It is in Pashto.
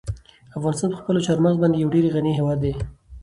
افغانستان په خپلو چار مغز باندې یو ډېر غني هېواد دی.